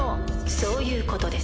そういうコトです。